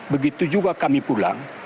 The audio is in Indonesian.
begitu juga kami pula